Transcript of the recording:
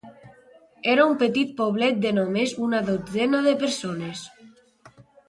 Era un petit poblet de només una dotzena de persones.